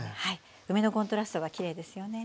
梅のコントラストがきれいですよね。